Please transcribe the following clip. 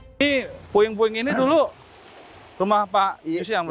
ini puing puing ini dulu rumah pak yusyam